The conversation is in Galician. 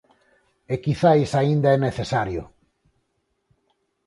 E quizais aínda é necesario.